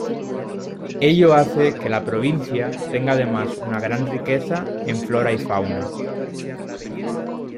Ello hace que la provincia tenga además una gran riqueza en flora y fauna.